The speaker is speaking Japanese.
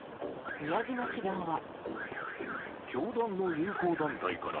宮島氏側は。